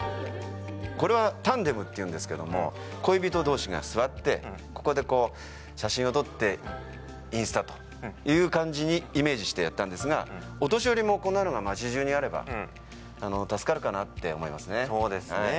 これはタンデムっていうんですけども恋人同士が座ってここでこう、写真を撮ってインスタという感じにイメージしてやったんですがお年寄りもこんなのが町じゅうにあればそうですね。